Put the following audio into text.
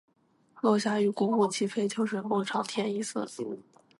落霞与孤鹜齐飞，秋水共长天一色